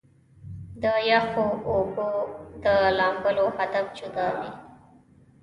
د يخو اوبو د لامبلو هدف جدا وي -